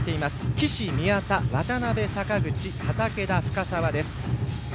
岸、宮田、渡部、坂口畠田、深沢です。